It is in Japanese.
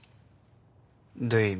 どういう意味？